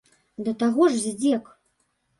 Да таго ж здзек!